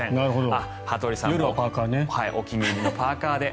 あ、羽鳥さんもお気に入りのパーカで。